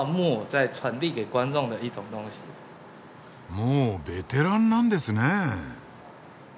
もうベテランなんですね？